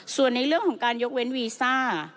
ส่วนในเรื่องของการยกเว้นวีซ่า